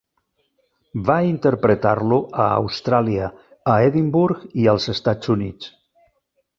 Va interpretar-lo a Austràlia, a Edimburg i als Estats Units.